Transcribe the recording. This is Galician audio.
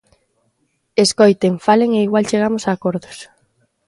Escoiten, falen e igual chegamos a acordos.